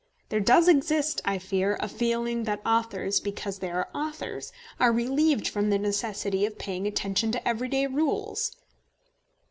There does exist, I fear, a feeling that authors, because they are authors, are relieved from the necessity of paying attention to everyday rules.